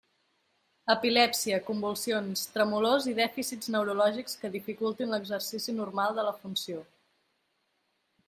Epilèpsia, convulsions, tremolors i dèficits neurològics que dificultin l'exercici normal de la funció.